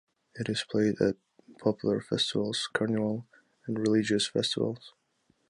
It is played at popular festivals, carnival and religious festivals.